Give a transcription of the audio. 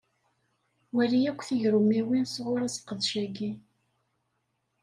Wali akk tigrummiwin sɣuṛ aseqdac-agi.